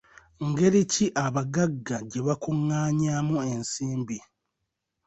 Ngeri ki abagagga gye bakungaanyaamu ensimbi?